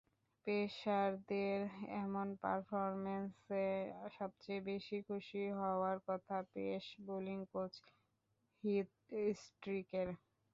পেসারদের এমন পারফরম্যান্সে সবচেয়ে বেশি খুশি হওয়ার কথা পেস বোলিং কোচ হিথ স্ট্রিকের।